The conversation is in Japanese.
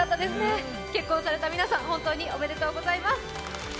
結婚された皆さん、本当におめでとうございます。